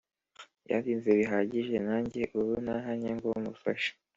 yandinze bihagije nanjye ubu nahanjye ngo mufashe.